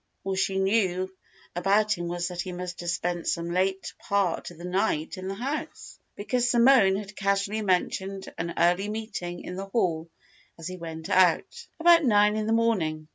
All she knew about him was that he must have spent some late part of the night in the house, because Simone had casually mentioned an early meeting in the hall as he went out, about nine in the morning.